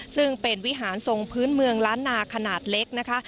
ซึ่งเป็นวิหารทรงพื้นเมืองล้านนาขนาดเล็กนะคะ